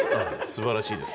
すばらしいです。